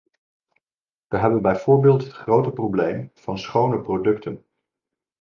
We hebben bijvoorbeeld het grote probleem van schone producten.